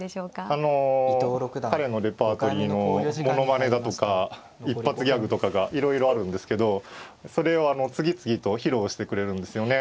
あの彼のレパートリーのものまねだとか一発ギャグとかがいろいろあるんですけどそれを次々と披露してくれるんですよね。